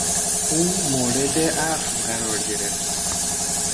او مورد عفو قرار گرفت.